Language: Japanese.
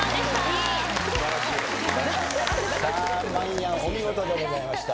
まいやんお見事でございました。